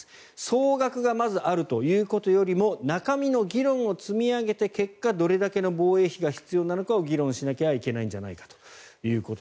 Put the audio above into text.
総額がまずあるということよりも中身の議論を積み上げて結果、どれだけの防衛費が必要なのか議論しなきゃいけないんじゃないかという。